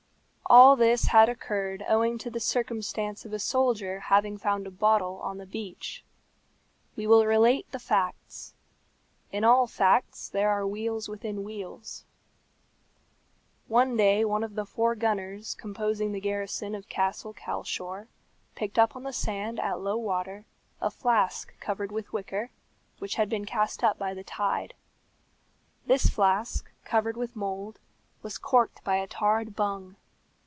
All this had occurred owing to the circumstance of a soldier having found a bottle on the beach. We will relate the facts. In all facts there are wheels within wheels. One day one of the four gunners composing the garrison of Castle Calshor picked up on the sand at low water a flask covered with wicker, which had been cast up by the tide. This flask, covered with mould, was corked by a tarred bung.